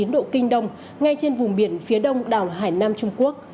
một trăm một mươi chín độ kinh đông ngay trên vùng biển phía đông đảo hải nam trung quốc